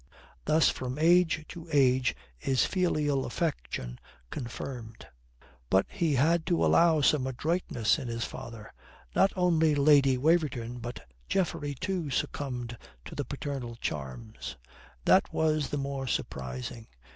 Thus from age to age is filial affection confirmed. But he had to allow some adroitness in his father. Not only Lady Waverton, but Geoffrey too, succumbed to the paternal charms. That was the more surprising.